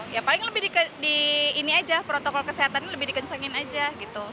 ya paling lebih di ini aja protokol kesehatannya lebih dikencengin aja gitu